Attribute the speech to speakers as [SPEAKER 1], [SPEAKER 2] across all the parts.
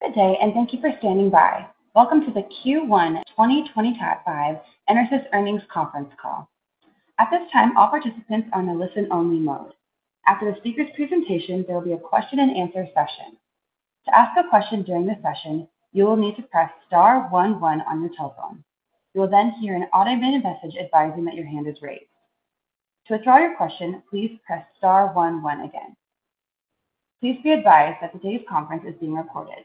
[SPEAKER 1] Good day, and thank you for standing by. Welcome to the Q1 2025 EnerSys earnings conference call. At this time, all participants are on a listen-only mode. After the speaker's presentation, there will be a question-and-answer session. To ask a question during the session, you will need to press star one one on your telephone. You will then hear an automated message advising that your hand is raised. To withdraw your question, please press star one one again. Please be advised that today's conference is being recorded.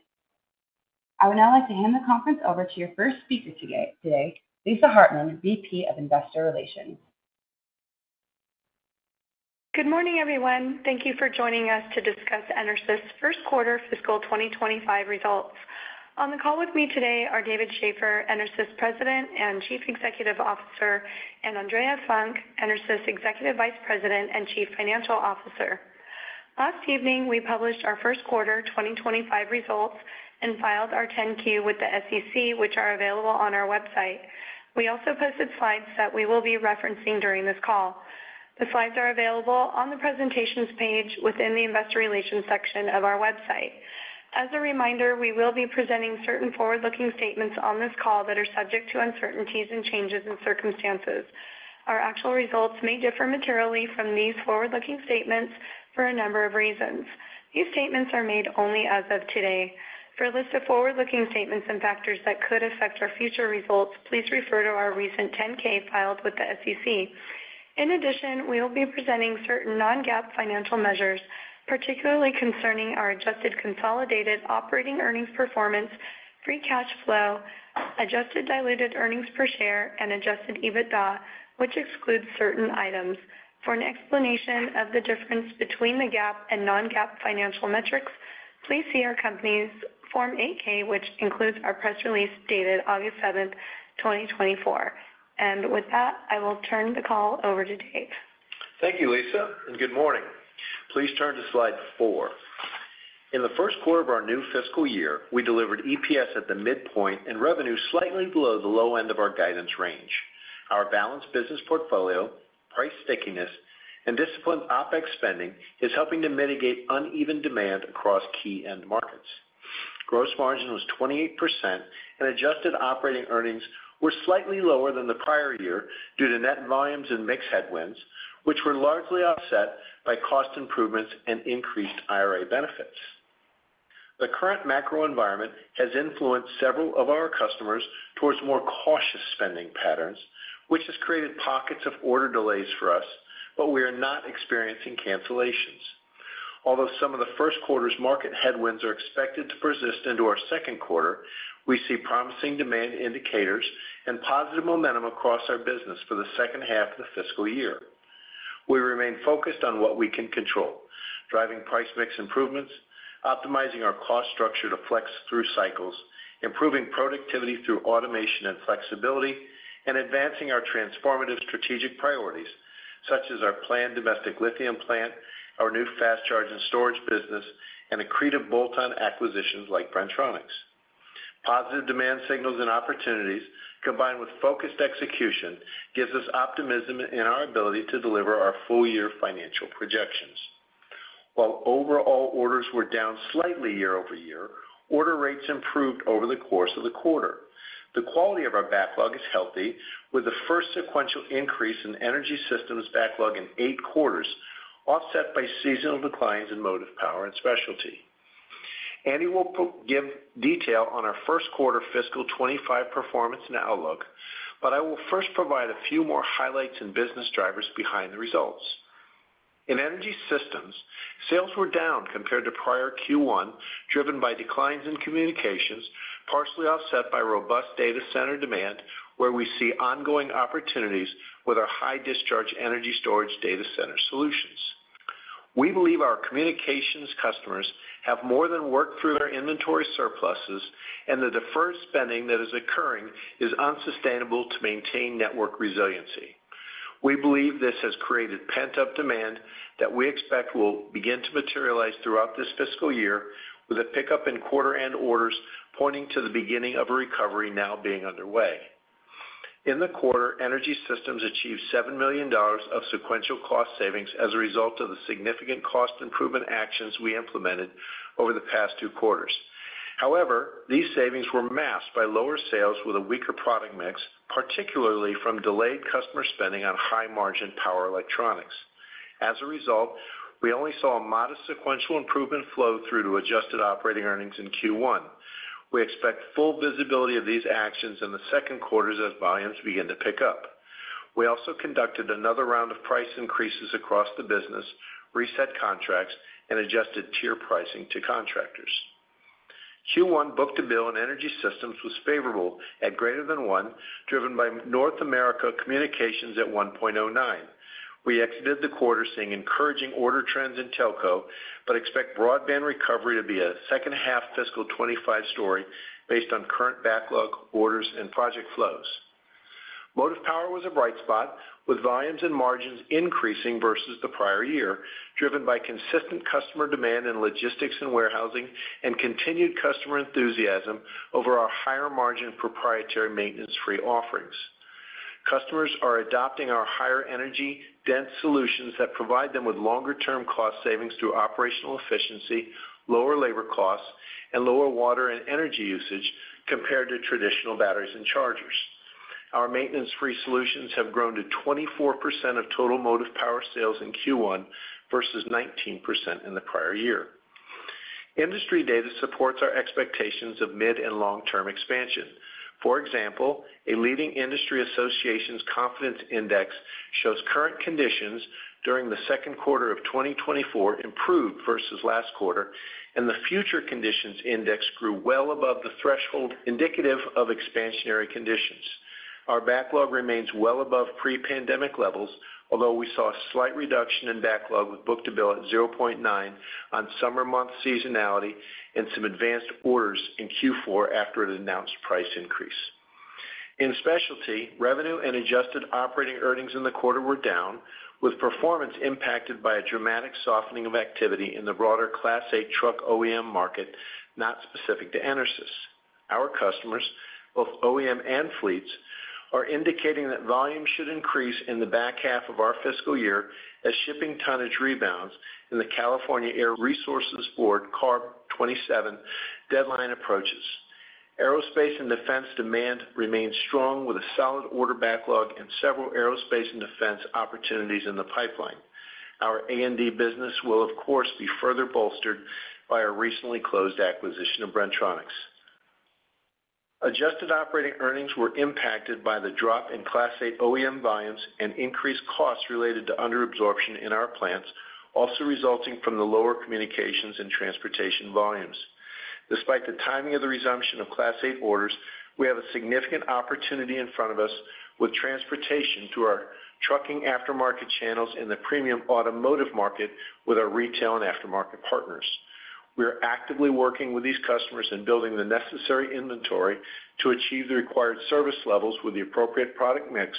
[SPEAKER 1] I would now like to hand the conference over to your first speaker today, Lisa Hartman, VP of Investor Relations.
[SPEAKER 2] Good morning, everyone. Thank you for joining us to discuss EnerSys' first quarter fiscal 2025 results. On the call with me today are David Shaffer, EnerSys President and Chief Executive Officer, and Andrea Funk, EnerSys Executive Vice President and Chief Financial Officer. Last evening, we published our first quarter 2025 results and filed our 10-Q with the SEC, which are available on our website. We also posted slides that we will be referencing during this call. The slides are available on the Presentations page within the Investor Relations section of our website. As a reminder, we will be presenting certain forward-looking statements on this call that are subject to uncertainties and changes in circumstances. Our actual results may differ materially from these forward-looking statements for a number of reasons. These statements are made only as of today. For a list of forward-looking statements and factors that could affect our future results, please refer to our recent 10-K filed with the SEC. In addition, we will be presenting certain Non-GAAP financial measures, particularly concerning our adjusted consolidated operating earnings performance, free cash flow, adjusted diluted earnings per share, and Adjusted EBITDA, which excludes certain items. For an explanation of the difference between the GAAP and Non-GAAP financial metrics, please see our company's Form 8-K, which includes our press release dated August 7, 2024. With that, I will turn the call over to Dave.
[SPEAKER 3] Thank you, Lisa, and good morning. Please turn to slide 4. In the first quarter of our new fiscal year, we delivered EPS at the midpoint and revenue slightly below the low end of our guidance range. Our balanced business portfolio, price stickiness, and disciplined OpEx spending is helping to mitigate uneven demand across key end markets. Gross margin was 28%, and adjusted operating earnings were slightly lower than the prior year due to net volumes and mix headwinds, which were largely offset by cost improvements and increased IRA benefits. The current macro environment has influenced several of our customers towards more cautious spending patterns, which has created pockets of order delays for us, but we are not experiencing cancellations. Although some of the first quarter's market headwinds are expected to persist into our second quarter, we see promising demand indicators and positive momentum across our business for the second half of the fiscal year. We remain focused on what we can control, driving price mix improvements, optimizing our cost structure to flex through cycles, improving productivity through automation and flexibility, and advancing our transformative strategic priorities, such as our planned domestic lithium plant, our new fast charge and storage business, and accretive bolt-on acquisitions like Bren-Tronics. Positive demand signals and opportunities, combined with focused execution, gives us optimism in our ability to deliver our full-year financial projections. While overall orders were down slightly year-over-year, order rates improved over the course of the quarter. The quality of our backlog is healthy, with the first sequential increase in Energy Systems backlog in eight quarters, offset by seasonal declines in Motive Power and Specialty. Andi will give detail on our first quarter fiscal 2025 performance and outlook, but I will first provide a few more highlights and business drivers behind the results. In Energy Systems, sales were down compared to prior Q1, driven by declines in communications, partially offset by robust data center demand, where we see ongoing opportunities with our high-discharge energy storage data center solutions. We believe our communications customers have more than worked through their inventory surpluses, and the deferred spending that is occurring is unsustainable to maintain network resiliency. We believe this has created pent-up demand that we expect will begin to materialize throughout this fiscal year, with a pickup in quarter end orders pointing to the beginning of a recovery now being underway. In the quarter, Energy Systems achieved $7 million of sequential cost savings as a result of the significant cost improvement actions we implemented over the past two quarters. However, these savings were masked by lower sales with a weaker product mix, particularly from delayed customer spending on high-margin power electronics. As a result, we only saw a modest sequential improvement flow through to adjusted operating earnings in Q1. We expect full visibility of these actions in the second quarter as volumes begin to pick up. We also conducted another round of price increases across the business, reset contracts, and adjusted tier pricing to contractors. Q1 book-to-bill in Energy Systems was favorable at greater than 1, driven by North America communications at 1.09. We exited the quarter seeing encouraging order trends in telco, but expect broadband recovery to be a second half fiscal 2025 story based on current backlog, orders, and project flows. Motive Power was a bright spot, with volumes and margins increasing versus the prior year, driven by consistent customer demand in logistics and warehousing and continued customer enthusiasm over our higher-margin, proprietary, maintenance-free offerings. Customers are adopting our higher energy dense solutions that provide them with longer term cost savings through operational efficiency, lower labor costs, and lower water and energy usage compared to traditional batteries and chargers. Our maintenance-free solutions have grown to 24% of total Motive Power sales in Q1, versus 19% in the prior year. Industry data supports our expectations of mid and long-term expansion. For example, a leading industry association's confidence index shows current conditions during the second quarter of 2024 improved versus last quarter, and the future conditions index grew well above the threshold, indicative of expansionary conditions. Our backlog remains well above pre-pandemic levels, although we saw a slight reduction in backlog with book-to-bill at 0.9 on summer month seasonality and some advanced orders in Q4 after an announced price increase. In Specialty, revenue and adjusted operating earnings in the quarter were down, with performance impacted by a dramatic softening of activity in the broader Class 8 truck OEM market, not specific to EnerSys. Our customers, both OEM and fleets, are indicating that volume should increase in the back half of our fiscal year as shipping tonnage rebounds and the California Air Resources Board, CARB 2027, deadline approaches. Aerospace and Defense demand remains strong, with a solid order backlog and several Aerospace and Defense opportunities in the pipeline. Our A&D business will, of course, be further bolstered by our recently closed acquisition of Bren-Tronics. Adjusted operating earnings were impacted by the drop in Class 8 OEM volumes and increased costs related to under absorption in our plants, also resulting from the lower communications and transportation volumes. Despite the timing of the resumption of Class 8 orders, we have a significant opportunity in front of us with transportation through our trucking aftermarket channels in the premium automotive market with our retail and aftermarket partners. We are actively working with these customers and building the necessary inventory to achieve the required service levels with the appropriate product mix,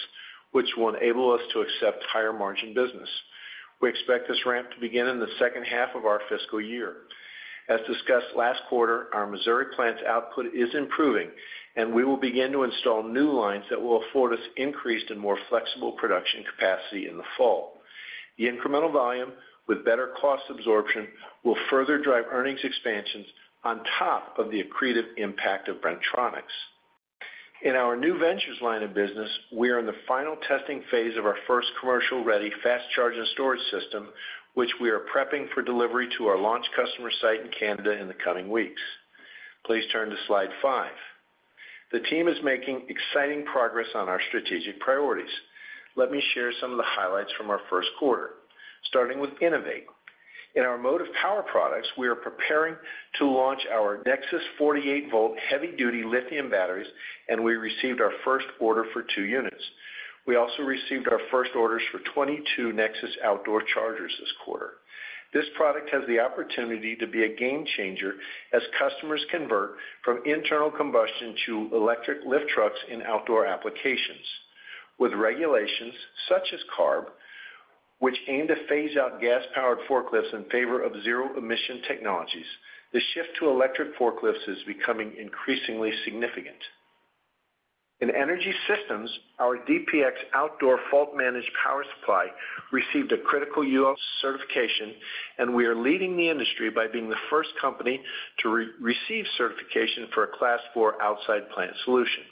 [SPEAKER 3] which will enable us to accept higher margin business. We expect this ramp to begin in the second half of our fiscal year. As discussed last quarter, our Missouri plant's output is improving, and we will begin to install new lines that will afford us increased and more flexible production capacity in the fall. The incremental volume, with better cost absorption, will further drive earnings expansions on top of the accretive impact of Bren-Tronics. In our New Ventures line of business, we are in the final testing phase of our first commercial, ready, fast charge and storage system, which we are prepping for delivery to our launch customer site in Canada in the coming weeks. Please turn to Slide 5. The team is making exciting progress on our strategic priorities. Let me share some of the highlights from our first quarter, starting with innovate. In our Motive Power products, we are preparing to launch our NexSys 48-volt heavy duty lithium batteries, and we received our first order for 2 units. We also received our first orders for 22 NexSys outdoor chargers this quarter. This product has the opportunity to be a game changer as customers convert from internal combustion to electric lift trucks in outdoor applications. With regulations such as CARB, which aim to phase out gas-powered forklifts in favor of zero emission technologies, the shift to electric forklifts is becoming increasingly significant. In Energy Systems, our DPX Outdoor fault managed power supply received a critical UL certification, and we are leading the industry by being the first company to receive certification for a Class 4 outside plant solution.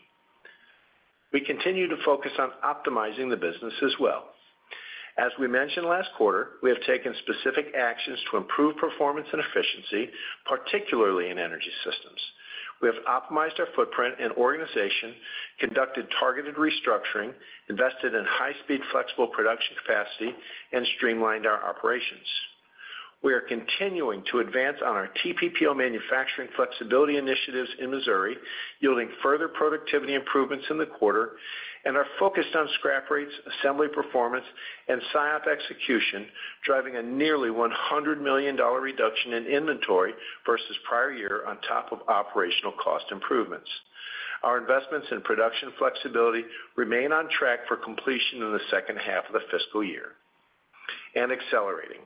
[SPEAKER 3] We continue to focus on optimizing the business as well. As we mentioned last quarter, we have taken specific actions to improve performance and efficiency, particularly in Energy Systems. We have optimized our footprint and organization, conducted targeted restructuring, invested in high-speed, flexible production capacity, and streamlined our operations. We are continuing to advance on our TPPL manufacturing flexibility initiatives in Missouri, yielding further productivity improvements in the quarter, and are focused on scrap rates, assembly, performance, and SIOP execution, driving a nearly $100 million reduction in inventory versus prior year on top of operational cost improvements. Our investments in production flexibility remain on track for completion in the second half of the fiscal year. And accelerating.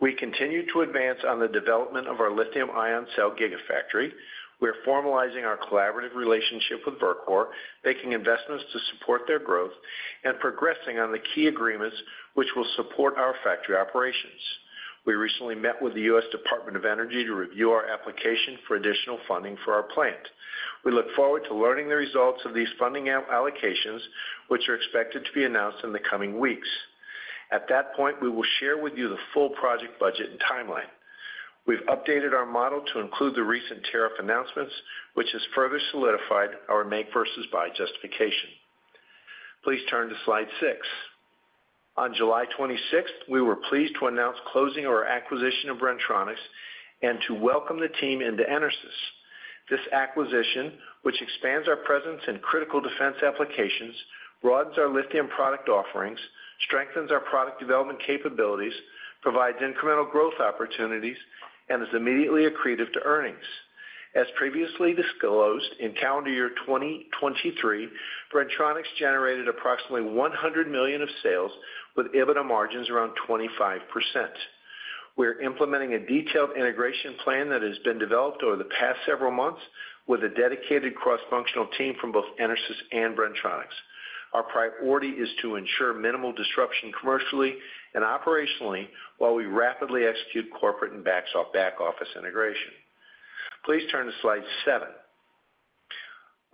[SPEAKER 3] We continue to advance on the development of our lithium-ion cell gigafactory. We are formalizing our collaborative relationship with Verkor, making investments to support their growth, and progressing on the key agreements which will support our factory operations. We recently met with the U.S. Department of Energy to review our application for additional funding for our plant. We look forward to learning the results of these funding allocations, which are expected to be announced in the coming weeks. At that point, we will share with you the full project budget and timeline. We've updated our model to include the recent tariff announcements, which has further solidified our make versus buy justification. Please turn to Slide 6. On July 26th, we were pleased to announce closing our acquisition of Bren-Tronics and to welcome the team into EnerSys. This acquisition, which expands our presence in critical defense applications, broadens our lithium product offerings, strengthens our product development capabilities, provides incremental growth opportunities, and is immediately accretive to earnings. As previously disclosed, in calendar year 2023, Bren-Tronics generated approximately $100 million of sales, with EBITDA margins around 25%.... We are implementing a detailed integration plan that has been developed over the past several months with a dedicated cross-functional team from both EnerSys and Bren-Tronics. Our priority is to ensure minimal disruption commercially and operationally, while we rapidly execute corporate and back-office integration. Please turn to slide 7.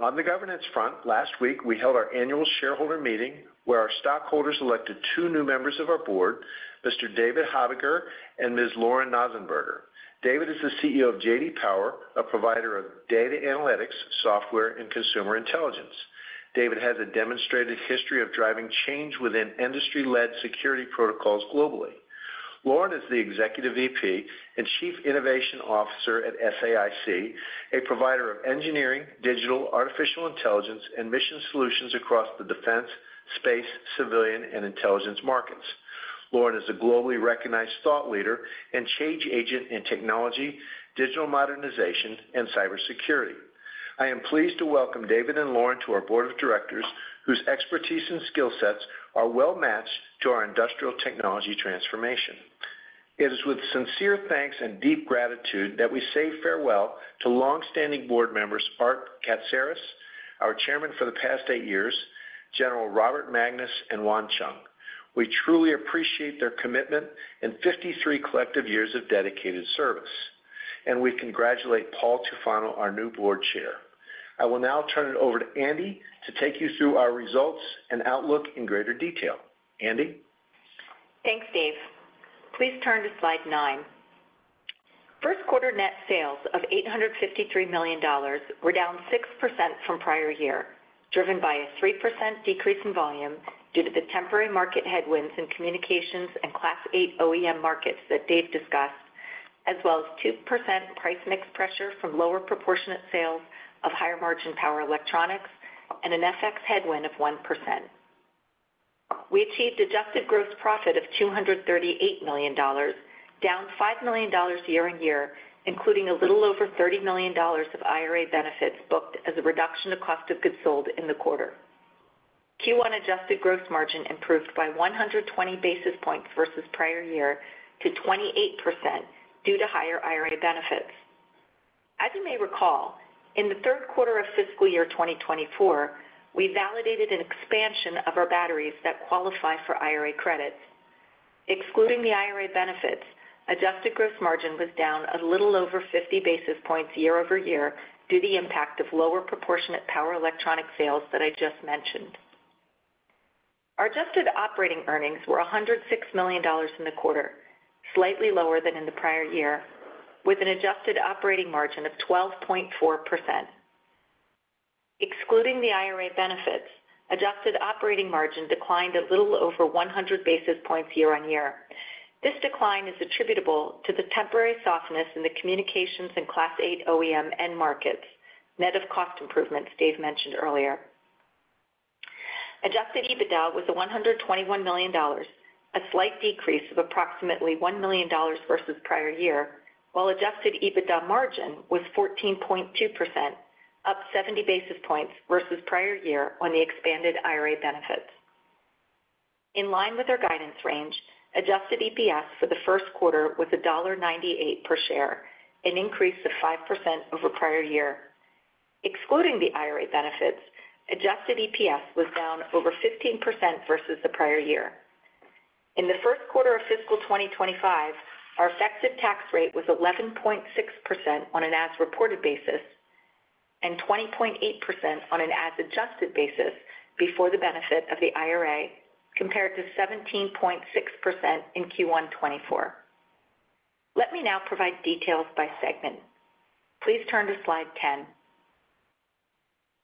[SPEAKER 3] On the governance front, last week, we held our annual shareholder meeting, where our stockholders elected two new members of our board, Mr. David Habiger and Ms. Lauren Knausenberger. David is the CEO of J.D. Power, a provider of data analytics, software, and consumer intelligence. David has a demonstrated history of driving change within industry-led security protocols globally. Lauren is the Executive VP and Chief Innovation Officer at SAIC, a provider of engineering, digital, artificial intelligence, and mission solutions across the defense, space, civilian, and intelligence markets. Lauren is a globally recognized thought leader and change agent in technology, digital modernization, and cybersecurity. I am pleased to welcome David and Lauren to our Board of Directors, whose expertise and skill sets are well-matched to our industrial technology transformation. It is with sincere thanks and deep gratitude that we say farewell to longstanding Board members, Art Katsaros, our Chairman for the past eight years, General Robert Magnus, and Hwan-Yoon Chung. We truly appreciate their commitment and 53 collective years of dedicated service, and we congratulate Paul Tufano, our new Board Chair. I will now turn it over to Andi to take you through our results and outlook in greater detail. Andi?
[SPEAKER 4] Thanks, Dave. Please turn to slide nine. First quarter net sales of $853 million were down 6% from prior year, driven by a 3% decrease in volume due to the temporary market headwinds in communications and Class 8 OEM markets that Dave discussed, as well as 2% price mix pressure from lower proportionate sales of higher-margin power electronics and an FX headwind of 1%. We achieved adjusted gross profit of $238 million, down $5 million year-on-year, including a little over $30 million of IRA benefits booked as a reduction of cost of goods sold in the quarter. Q1 adjusted gross margin improved by 120 basis points versus prior year to 28% due to higher IRA benefits. As you may recall, in the third quarter of fiscal year 2024, we validated an expansion of our batteries that qualify for IRA credits. Excluding the IRA benefits, adjusted gross margin was down a little over 50 basis points year-over-year due to the impact of lower proportionate power electronic sales that I just mentioned. Our adjusted operating earnings were $106 million in the quarter, slightly lower than in the prior year, with an adjusted operating margin of 12.4%. Excluding the IRA benefits, adjusted operating margin declined a little over 100 basis points year-on-year. This decline is attributable to the temporary softness in the communications and Class 8 OEM end markets, net of cost improvements Dave mentioned earlier. Adjusted EBITDA was $121 million, a slight decrease of approximately $1 million versus prior year, while Adjusted EBITDA margin was 14.2%, up 70 basis points versus prior year on the expanded IRA benefits. In line with our guidance range, adjusted EPS for the first quarter was $1.98 per share, an increase of 5% over prior year. Excluding the IRA benefits, adjusted EPS was down over 15% versus the prior year. In the first quarter of fiscal 2025, our effective tax rate was 11.6% on an as-reported basis and 20.8% on an as-adjusted basis before the benefit of the IRA, compared to 17.6% in Q1 2024. Let me now provide details by segment. Please turn to slide 10.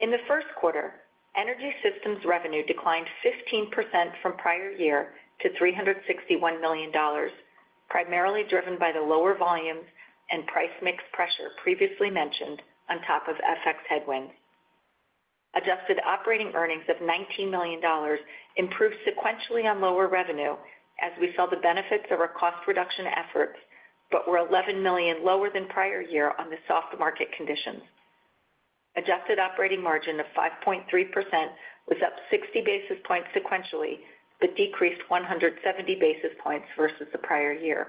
[SPEAKER 4] In the first quarter, Energy Systems revenue declined 15% from prior year to $361 million, primarily driven by the lower volumes and price mix pressure previously mentioned on top of FX headwind. Adjusted operating earnings of $19 million improved sequentially on lower revenue as we saw the benefits of our cost reduction efforts, but were $11 million lower than prior year on the soft market conditions. Adjusted operating margin of 5.3% was up 60 basis points sequentially, but decreased 170 basis points versus the prior year.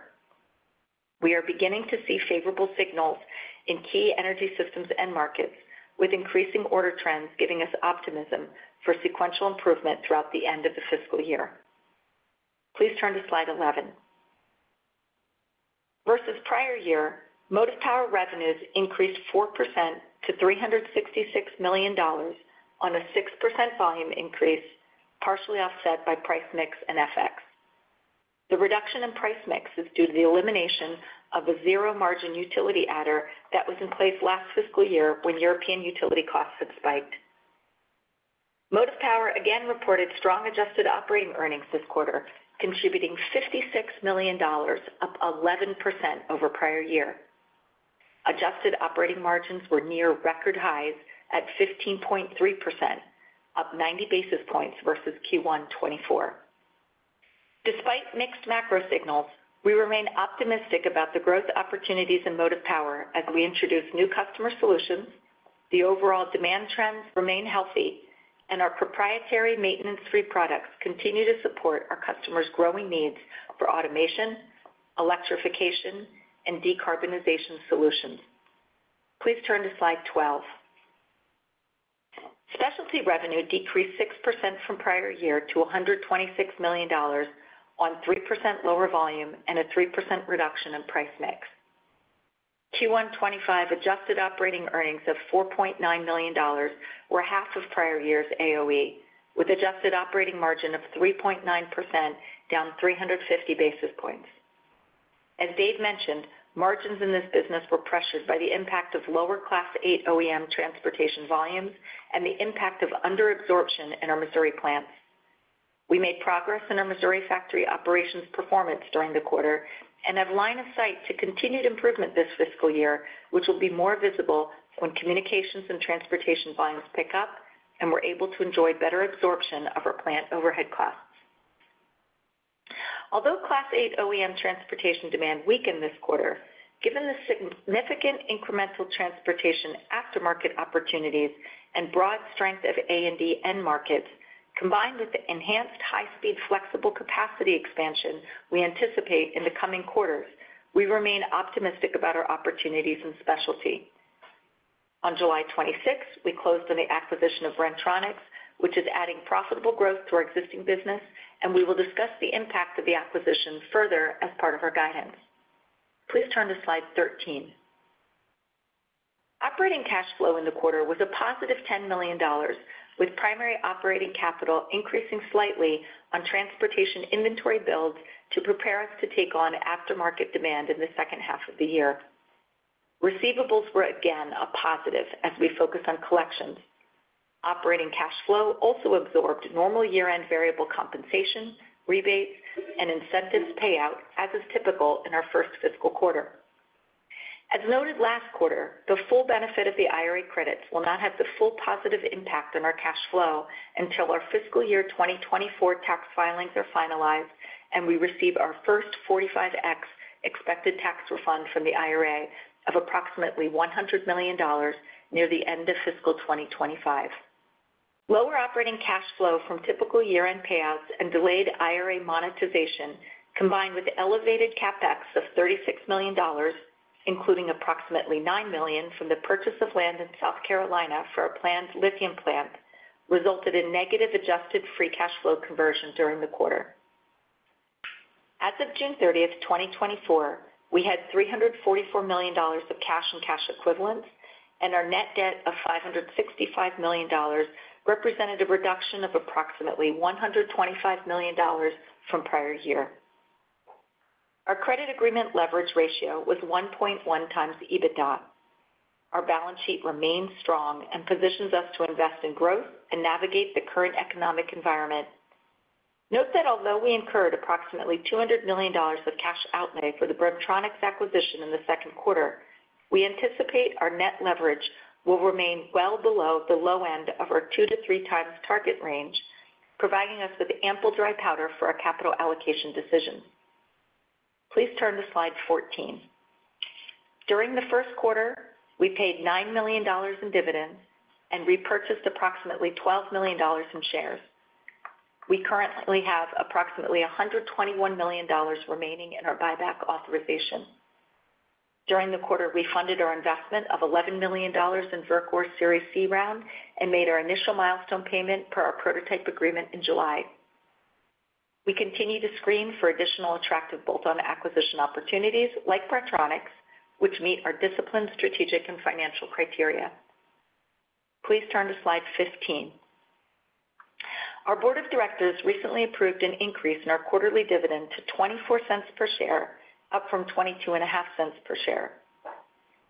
[SPEAKER 4] We are beginning to see favorable signals in key Energy Systems end markets, with increasing order trends giving us optimism for sequential improvement throughout the end of the fiscal year. Please turn to slide 11. Versus prior year, Motive Power revenues increased 4% to $366 million on a 6% volume increase, partially offset by price mix and FX. The reduction in price mix is due to the elimination of a zero-margin utility adder that was in place last fiscal year when European utility costs had spiked. Motive Power again reported strong adjusted operating earnings this quarter, contributing $56 million, up 11% over prior year. Adjusted operating margins were near record highs at 15.3%, up 90 basis points versus Q1 2024. Despite mixed macro signals, we remain optimistic about the growth opportunities in Motive Power as we introduce new customer solutions,... The overall demand trends remain healthy, and our proprietary maintenance-free products continue to support our customers' growing needs for automation, electrification, and decarbonization solutions. Please turn to Slide 12. Specialty revenue decreased 6% from prior year to $126 million on 3% lower volume and a 3% reduction in price mix. Q1 2025 adjusted operating earnings of $4.9 million were half of prior year's AOE, with adjusted operating margin of 3.9%, down 350 basis points. As Dave mentioned, margins in this business were pressured by the impact of lower Class 8 OEM transportation volumes and the impact of under absorption in our Missouri plants. We made progress in our Missouri factory operations performance during the quarter and have line of sight to continued improvement this fiscal year, which will be more visible when communications and transportation volumes pick up and we're able to enjoy better absorption of our plant overhead costs. Although Class 8 OEM transportation demand weakened this quarter, given the significant incremental transportation aftermarket opportunities and broad strength of A&D end markets, combined with the enhanced high-speed, flexible capacity expansion we anticipate in the coming quarters, we remain optimistic about our opportunities in Specialty. On July 26th, we closed on the acquisition of Bren-Tronics, which is adding profitable growth to our existing business, and we will discuss the impact of the acquisition further as part of our guidance. Please turn to Slide 13. Operating cash flow in the quarter was a positive $10 million, with primary operating capital increasing slightly on transportation inventory builds to prepare us to take on aftermarket demand in the second half of the year. Receivables were again a positive as we focus on collections. Operating cash flow also absorbed normal year-end variable compensation, rebates, and incentives payout, as is typical in our first fiscal quarter. As noted last quarter, the full benefit of the IRA credits will not have the full positive impact on our cash flow until our fiscal year 2024 tax filings are finalized and we receive our first 45X expected tax refund from the IRA of approximately $100 million near the end of fiscal 2025. Lower operating cash flow from typical year-end payouts and delayed IRA monetization, combined with elevated CapEx of $36 million, including approximately $9 million from the purchase of land in South Carolina for our planned lithium plant, resulted in negative adjusted free cash flow conversion during the quarter. As of June 30, 2024, we had $344 million of cash and cash equivalents, and our net debt of $565 million represented a reduction of approximately $125 million from prior year. Our credit agreement leverage ratio was 1.1 times the EBITDA. Our balance sheet remains strong and positions us to invest in growth and navigate the current economic environment. Note that although we incurred approximately $200 million of cash outlay for the Bren-Tronics acquisition in the second quarter, we anticipate our net leverage will remain well below the low end of our 2-3 times target range, providing us with ample dry powder for our capital allocation decisions. Please turn to Slide 14. During the first quarter, we paid $9 million in dividends and repurchased approximately $12 million in shares. We currently have approximately $121 million remaining in our buyback authorization. During the quarter, we funded our investment of $11 million in Verkor Series C round and made our initial milestone payment per our prototype agreement in July. We continue to screen for additional attractive bolt-on acquisition opportunities like Bren-Tronics, which meet our disciplined, strategic, and financial criteria. Please turn to Slide 15. Our board of directors recently approved an increase in our quarterly dividend to $0.24 per share, up from $0.225 per share.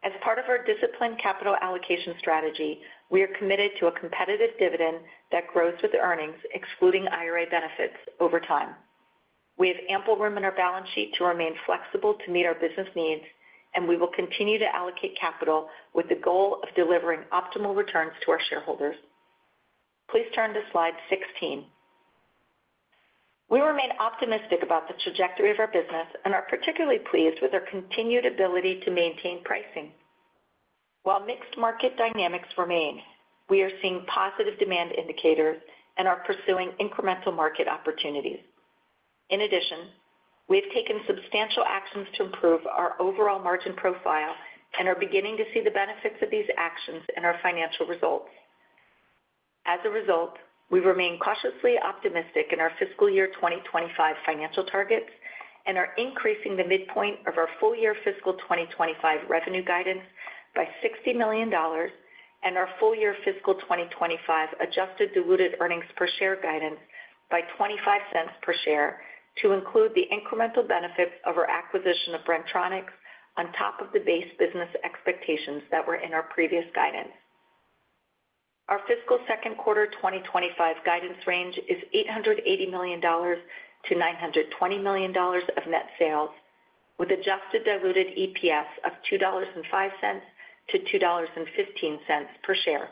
[SPEAKER 4] As part of our disciplined capital allocation strategy, we are committed to a competitive dividend that grows with earnings, excluding IRA benefits over time. We have ample room in our balance sheet to remain flexible to meet our business needs, and we will continue to allocate capital with the goal of delivering optimal returns to our shareholders. Please turn to Slide 16. We remain optimistic about the trajectory of our business and are particularly pleased with our continued ability to maintain pricing. While mixed market dynamics remain, we are seeing positive demand indicators and are pursuing incremental market opportunities. In addition, we have taken substantial actions to improve our overall margin profile and are beginning to see the benefits of these actions in our financial results. As a result, we remain cautiously optimistic in our fiscal year 2025 financial targets and are increasing the midpoint of our full-year fiscal 2025 revenue guidance by $60 million and our full-year fiscal 2025 adjusted diluted earnings per share guidance by $0.25 per share to include the incremental benefits of our acquisition of Bren-Tronics on top of the base business expectations that were in our previous guidance. Our fiscal second quarter 2025 guidance range is $880 million-$920 million of net sales, with adjusted diluted EPS of $2.05-$2.15 per share.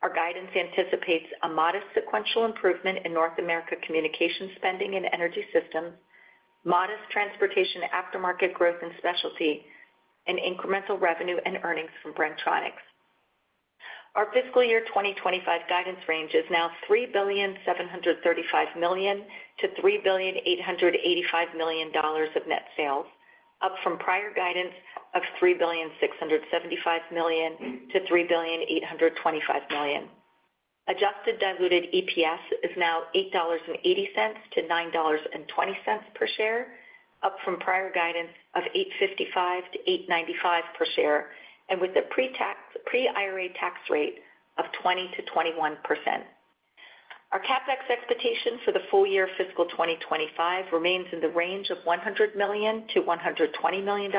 [SPEAKER 4] Our guidance anticipates a modest sequential improvement in North America communication spending and Energy Systems, modest transportation aftermarket growth and Specialty, and incremental revenue and earnings from Bren-Tronics. Our fiscal year 2025 guidance range is now $3.735 billion-$3.885 billion of net sales, up from prior guidance of $3.675 billion-$3.825 billion. Adjusted diluted EPS is now $8.80-$9.20 per share, up from prior guidance of $8.55-$8.95 per share, and with a pre-tax, pre-IRA tax rate of 20%-21%. Our CapEx expectation for the full year fiscal 2025 remains in the range of $100 million-$120 million.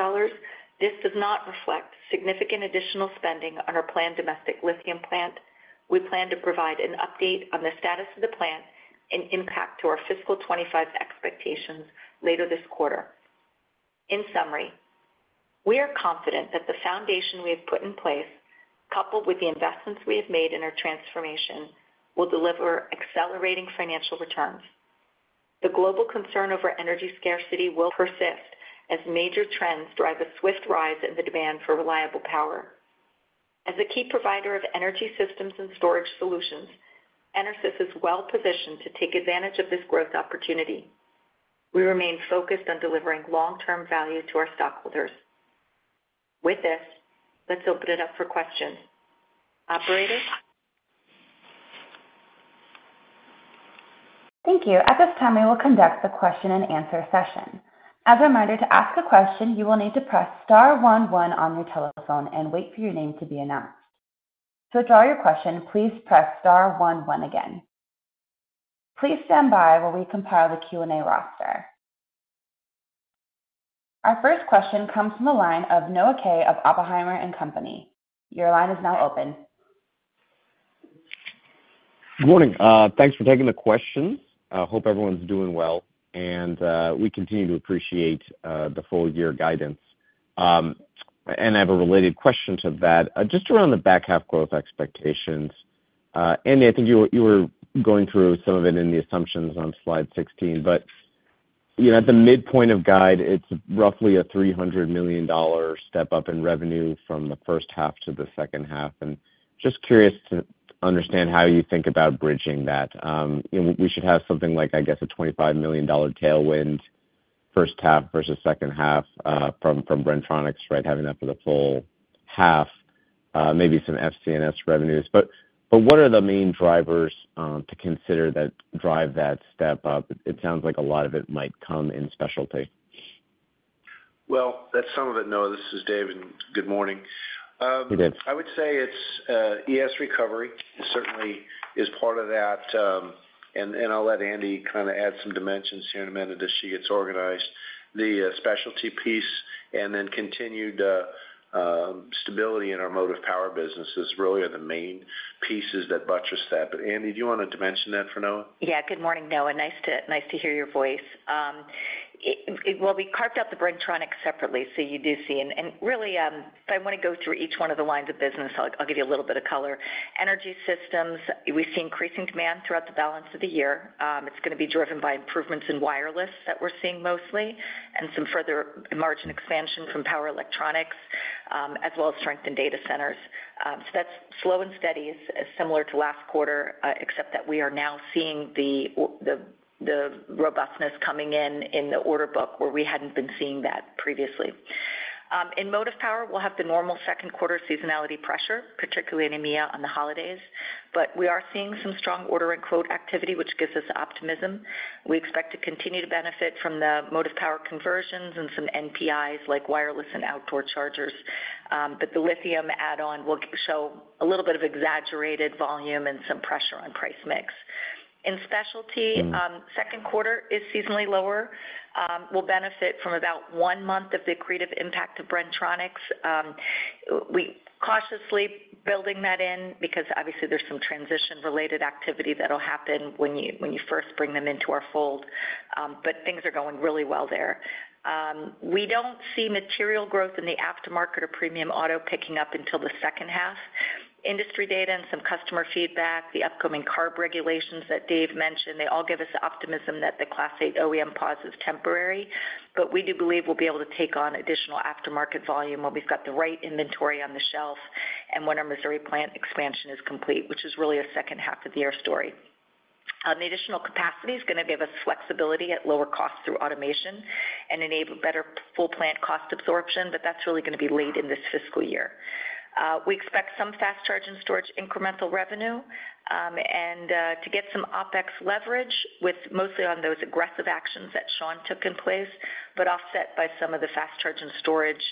[SPEAKER 4] This does not reflect significant additional spending on our planned domestic lithium plant. We plan to provide an update on the status of the plant and impact to our fiscal 2025 expectations later this quarter. In summary, we are confident that the foundation we have put in place, coupled with the investments we have made in our transformation, will deliver accelerating financial returns. The global concern over energy scarcity will persist as major trends drive a swift rise in the demand for reliable power. As a key provider of Energy Systems and storage solutions, EnerSys is well-positioned to take advantage of this growth opportunity. We remain focused on delivering long-term value to our stockholders. With this, let's open it up for questions. Operator?
[SPEAKER 1] Thank you. At this time, we will conduct the question-and-answer session. As a reminder, to ask a question, you will need to press star one, one on your telephone and wait for your name to be announced. To withdraw your question, please press star one, one again. Please stand by while we compile the Q&A roster. Our first question comes from the line of Noah Kaye of Oppenheimer and Company. Your line is now open.
[SPEAKER 5] Good morning. Thanks for taking the questions. I hope everyone's doing well, and we continue to appreciate the full year guidance. And I have a related question to that, just around the back half growth expectations. Andi, I think you were going through some of it in the assumptions on slide 16, but you know, at the midpoint of guide, it's roughly a $300 million step-up in revenue from the first half to the second half. And just curious to understand how you think about bridging that. We should have something like, I guess, a $25 million tailwind first half versus second half from Bren-Tronics, right? Having that for the full half, maybe some FC&S revenues. But what are the main drivers to consider that drive that step up? It sounds like a lot of it might come in Specialty.
[SPEAKER 3] Well, that's some of it, Noah. This is Dave, and good morning.
[SPEAKER 5] Hey, Dave.
[SPEAKER 3] I would say it's ES recovery certainly is part of that, and I'll let Andi kind of add some dimensions here in a minute as she gets organized. The Specialty piece and then continued stability in our Motive Power businesses really are the main pieces that buttress that. But Andi, do you want to dimension that for Noah?
[SPEAKER 4] Yeah. Good morning, Noah. Nice to hear your voice. Well, we carved out the Bren-Tronics separately, so you do see. And really, if I want to go through each one of the lines of business, I'll give you a little bit of color. Energy Systems, we see increasing demand throughout the balance of the year. It's going to be driven by improvements in wireless that we're seeing mostly, and some further margin expansion from power electronics, as well as strength in data centers. So that's slow and steady, is similar to last quarter, except that we are now seeing the robustness coming in in the order book, where we hadn't been seeing that previously. In Motive Power, we'll have the normal second quarter seasonality pressure, particularly in EMEA, on the holidays. But we are seeing some strong order and quote activity, which gives us optimism. We expect to continue to benefit from the Motive Power conversions and some NPIs like wireless and outdoor chargers. But the lithium add-on will show a little bit of exaggerated volume and some pressure on price mix. In Specialty, second quarter is seasonally lower, will benefit from about one month of the accretive impact of Bren-Tronics. We cautiously building that in because obviously there's some transition-related activity that'll happen when you, when you first bring them into our fold, but things are going really well there. We don't see material growth in the aftermarket or premium auto picking up until the second half. Industry data and some customer feedback, the upcoming CARB regulations that Dave mentioned, they all give us the optimism that the Class 8 OEM pause is temporary. But we do believe we'll be able to take on additional aftermarket volume when we've got the right inventory on the shelf and when our Missouri plant expansion is complete, which is really a second half of the year story. The additional capacity is going to give us flexibility at lower cost through automation and enable better full plant cost absorption, but that's really going to be late in this fiscal year. We expect some fast charge and storage incremental revenue, and to get some OpEx leverage with mostly on those aggressive actions that Shawn took in place, but offset by some of the fast charge and storage,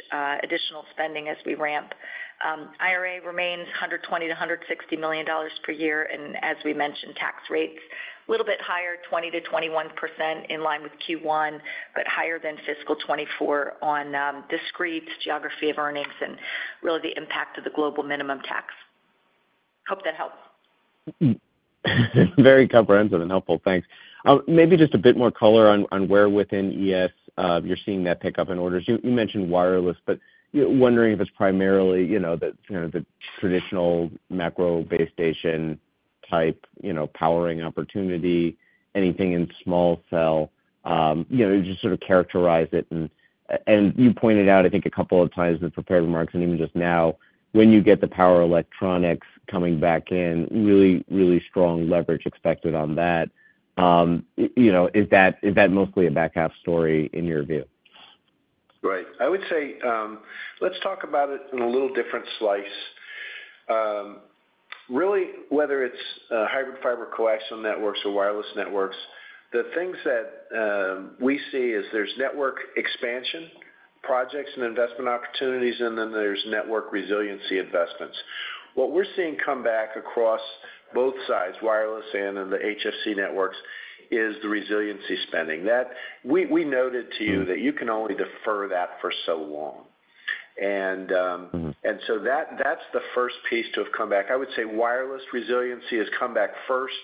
[SPEAKER 4] additional spending as we ramp. IRA remains $120 million-$160 million per year, and as we mentioned, tax rates a little bit higher, 20%-21%, in line with Q1, but higher than fiscal 2024 on discrete geography of earnings and really the impact of the global minimum tax. Hope that helps.
[SPEAKER 5] Very comprehensive and helpful. Thanks. Maybe just a bit more color on, on where within ES, you're seeing that pickup in orders. You, you mentioned wireless, but wondering if it's primarily, you know, the, you know, the traditional macro base station type, you know, powering opportunity, anything in small cell, you know, just sort of characterize it and... And you pointed out, I think, a couple of times in the prepared remarks, and even just now, when you get the power electronics coming back in, really, really strong leverage expected on that. You know, is that, is that mostly a back half story in your view?
[SPEAKER 3] Right. I would say, let's talk about it in a little different slice. Really, whether it's, uh, hybrid fiber coaxial networks or wireless networks, the things that we see is there's network expansion projects and investment opportunities, and then there's network resiliency investments. What we're seeing come back across both sides, wireless and in the HFC networks, is the resiliency spending. That—we noted to you that you can only defer that for so long. And -and so that, that's the first piece to have come back. I would say wireless resiliency has come back first.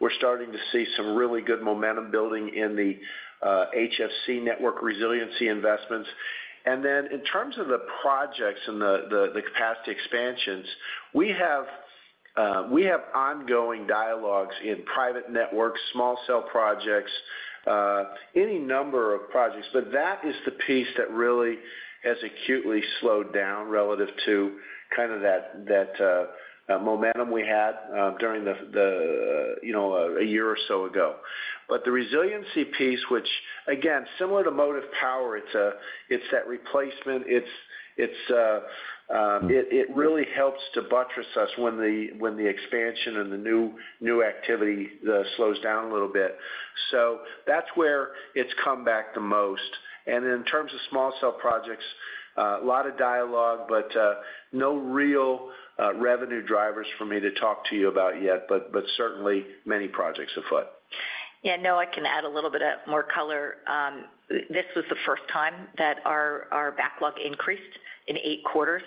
[SPEAKER 3] We're starting to see some really good momentum building in the HFC network resiliency investments. And then in terms of the projects and the capacity expansions, we have ongoing dialogues in private networks, small cell projects, any number of projects, but that is the piece that really has acutely slowed down relative to kind of that momentum we had during the, you know, a year or so ago. But the resiliency piece, which again, similar to Motive Power, it's that replacement.... it really helps to buttress us when the expansion and the new activity slows down a little bit. So that's where it's come back the most. And in terms of small cell projects, a lot of dialogue, but no real revenue drivers for me to talk to you about yet, but certainly many projects afoot.
[SPEAKER 4] Yeah, Noah, I can add a little bit of more color. This was the first time that our backlog increased in eight quarters.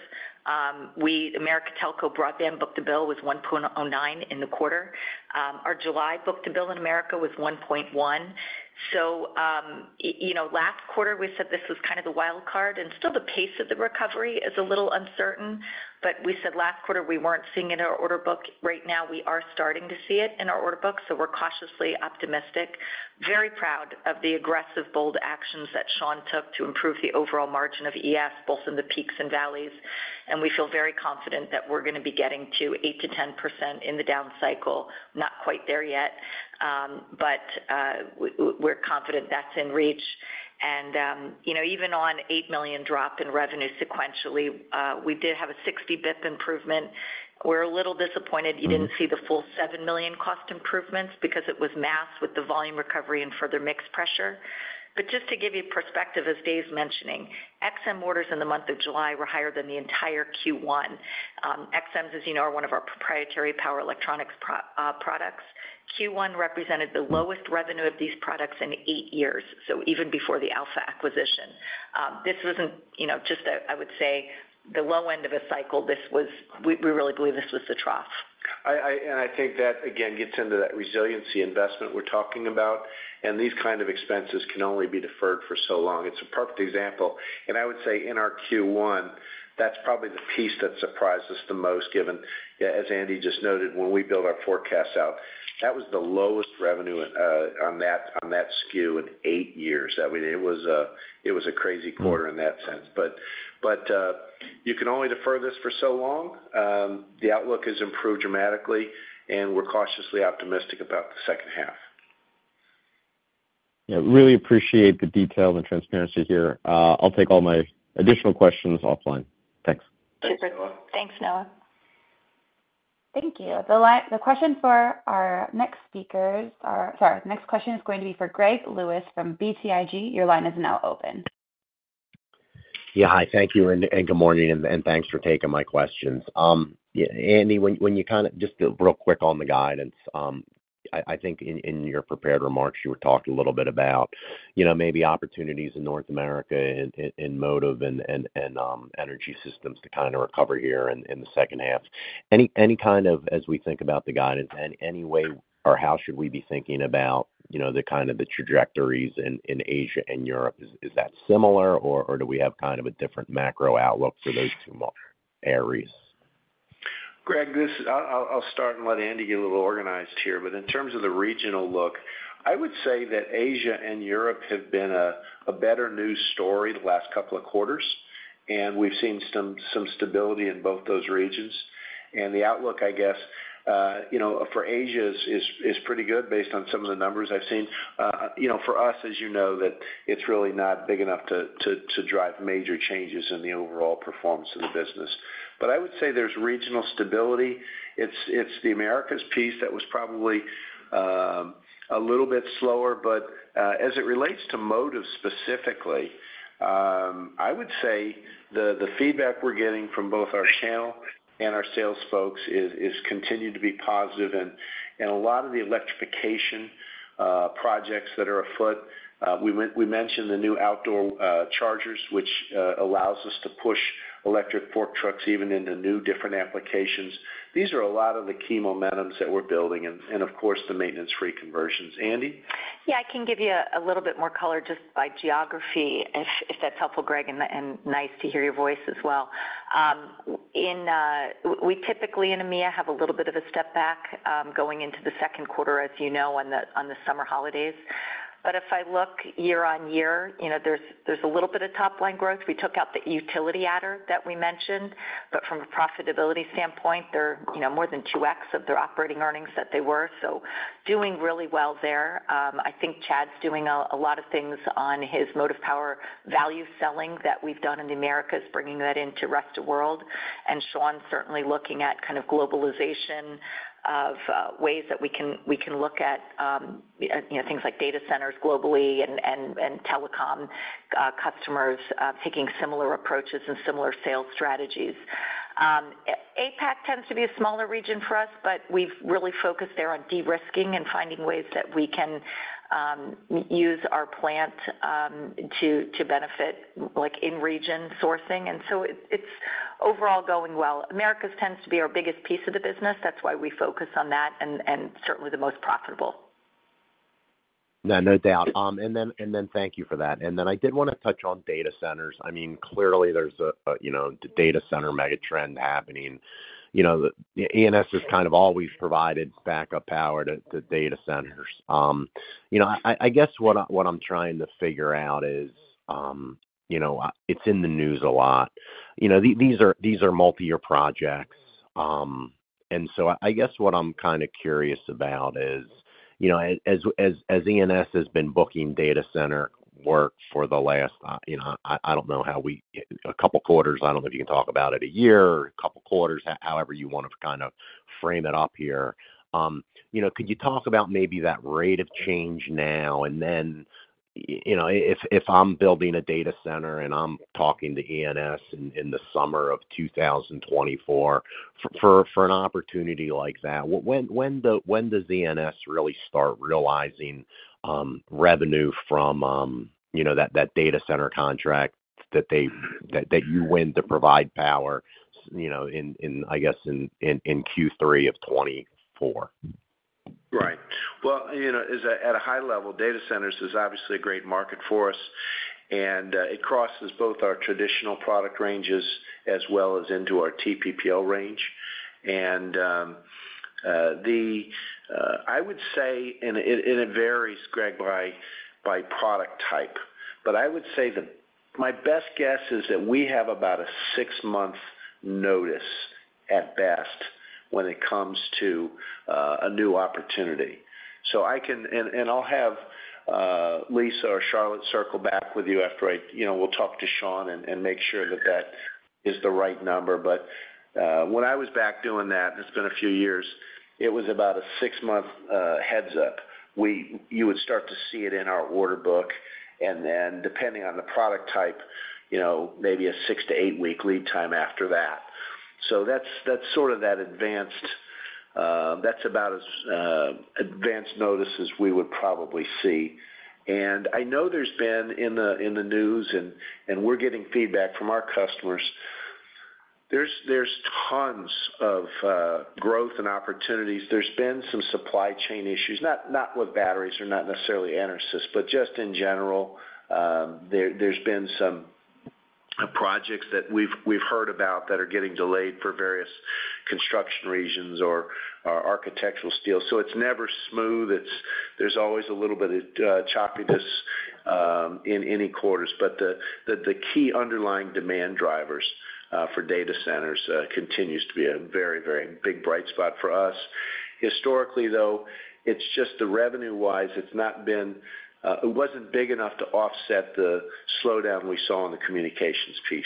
[SPEAKER 4] Americas telco book-to-bill was 1.09 in the quarter. Our July book-to-bill in Americas was 1.1. So, you know, last quarter, we said this was kind of the wild card, and still the pace of the recovery is a little uncertain, but we said last quarter, we weren't seeing it in our order book. Right now, we are starting to see it in our order book, so we're cautiously optimistic. Very proud of the aggressive, bold actions that Shawn took to improve the overall margin of ES, both in the peaks and valleys. We feel very confident that we're gonna be getting to 8%-10% in the down cycle. Not quite there yet, but we're confident that's in reach. You know, even on $8 million drop in revenue sequentially, we did have a 60 bips improvement. We're a little disappointed you didn't see the full $7 million cost improvements because it was masked with the volume recovery and further mix pressure. But just to give you perspective, as Dave's mentioning, XM orders in the month of July were higher than the entire Q1. XMs, as you know, are one of our proprietary power electronics products. Q1 represented the lowest revenue of these products in 8 years, so even before the Alpha acquisition. This wasn't, you know, just a, I would say, the low end of a cycle. We really believe this was the trough.
[SPEAKER 3] and I think that, again, gets into that resiliency investment we're talking about, and these kind of expenses can only be deferred for so long. It's a perfect example. I would say in our Q1, that's probably the piece that surprised us the most, given, as Andi just noted, when we build our forecasts out, that was the lowest revenue on that, on that SKU in eight years. I mean, it was a crazy quarter in that sense. But you can only defer this for so long. The outlook has improved dramatically, and we're cautiously optimistic about the second half.
[SPEAKER 5] Yeah, really appreciate the detail and transparency here. I'll take all my additional questions offline. Thanks.
[SPEAKER 3] Thanks, Noah.
[SPEAKER 4] Thanks, Noah.
[SPEAKER 1] Thank you. The question for our next speakers are... Sorry, the next question is going to be for Greg Lewis from BTIG. Your line is now open.
[SPEAKER 6] Yeah, hi. Thank you, and good morning, and thanks for taking my questions. Yeah, Andi, when you kind of just real quick on the guidance, I think in your prepared remarks, you were talking a little bit about, you know, maybe opportunities in North America in Motive and Energy Systems to kind of recover here in the second half. Any kind of, as we think about the guidance, any way, or how should we be thinking about, you know, the kind of the trajectories in Asia and Europe? Is that similar, or do we have kind of a different macro outlook for those two areas?
[SPEAKER 3] Greg, I'll start and let Andi get a little organized here. But in terms of the regional look, I would say that Asia and Europe have been a better news story the last couple of quarters, and we've seen some stability in both those regions. And the outlook, I guess, you know, for Asia is pretty good based on some of the numbers I've seen. You know, for us, as you know, that it's really not big enough to drive major changes in the overall performance of the business. But I would say there's regional stability. It's the Americas piece that was probably a little bit slower. But, as it relates to Motive specifically, I would say the feedback we're getting from both our channel and our sales folks is continued to be positive and a lot of the electrification projects that are afoot. We mentioned the new outdoor chargers, which allows us to push electric fork trucks even into new, different applications. These are a lot of the key momentums that we're building and, of course, the maintenance-free conversions. Andi?
[SPEAKER 4] Yeah, I can give you a little bit more color just by geography, if that's helpful, Greg, and nice to hear your voice as well. In EMEA, we typically have a little bit of a step back, going into the second quarter, as you know, on the summer holidays. But if I look year-on-year, you know, there's a little bit of top-line growth. We took out the utility adder that we mentioned, but from a profitability standpoint, they're, you know, more than 2x their operating earnings that they were. So doing really well there. I think Chad's doing a lot of things on his Motive Power value selling that we've done in the Americas, bringing that into rest of world. Shawn, certainly looking at kind of globalization of ways that we can look at, you know, things like data centers globally and telecom customers taking similar approaches and similar sales strategies. APAC tends to be a smaller region for us, but we've really focused there on de-risking and finding ways that we can use our plant to benefit, like, in region sourcing, and so it's overall going well. Americas tends to be our biggest piece of the business. That's why we focus on that and certainly the most profitable.
[SPEAKER 6] Yeah, no doubt. And then, and then thank you for that. And then I did wanna touch on data centers. I mean, clearly, there's a, you know, the data center mega trend happening. You know, the EnerSys has kind of always provided backup power to, to data centers. You know, I, I guess what I, what I'm trying to figure out is, you know, it's in the news a lot. You know, these are, these are multiyear projects. And so I guess what I'm kind of curious about is, you know, as, as, as EnerSys has been booking data center work for the last, you know, I, I don't know, a couple quarters, I don't know if you can talk about it, a year, a couple quarters, however you want to kind of frame it up here. You know, could you talk about maybe that rate of change now and then, you know, if I'm building a data center and I'm talking to EnerSys in the summer of 2024, for an opportunity like that, when does EnerSys really start realizing revenue from, you know, that data center contract that you win to provide power, you know, in, I guess, in Q3 of 2024?
[SPEAKER 3] Right. Well, you know, as at a high level, data centers is obviously a great market for us, and it crosses both our traditional product ranges as well as into our TPPL range. And I would say, and it varies, Greg, by product type, but I would say that my best guess is that we have about a six-month notice, at best, when it comes to a new opportunity. So I can... And I'll have Lisa or Charlotte circle back with you after I you know, we'll talk to Shawn and make sure that that is the right number. But when I was back doing that, and it's been a few years, it was about a six-month heads up. You would start to see it in our order book, and then, depending on the product type, you know, maybe a 6-8 week lead time after that. So that's sort of that advanced notice as we would probably see. And I know there's been in the news, and we're getting feedback from our customers, there's tons of growth and opportunities. There's been some supply chain issues, not with batteries or not necessarily EnerSys, but just in general, there, there's been some projects that we've heard about that are getting delayed for various construction reasons or architectural steel. So it's never smooth. There's always a little bit of choppiness in any quarters, but the key underlying demand drivers for data centers continues to be a very, very big, bright spot for us. Historically, though, it's just the revenue-wise, it's not been, it wasn't big enough to offset the slowdown we saw in the communications piece.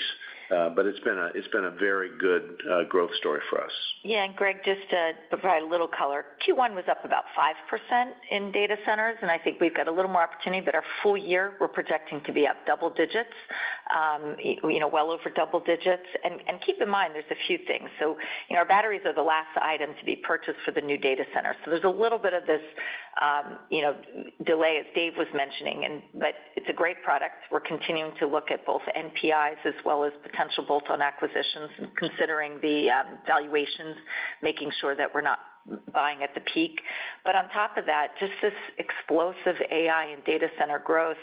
[SPEAKER 3] But it's been a very good growth story for us.
[SPEAKER 4] Yeah, and Greg, just to provide a little color, Q1 was up about 5% in data centers, and I think we've got a little more opportunity, but our full year, we're projecting to be up double digits, you know, well over double digits. And keep in mind, there's a few things. So, you know, our batteries are the last item to be purchased for the new data center. So there's a little bit of this, you know, delay, as Dave was mentioning, and but it's a great product. We're continuing to look at both NPIs as well as potential bolt-on acquisitions, and considering the, valuations, making sure that we're not buying at the peak. But on top of that, just this explosive AI and data center growth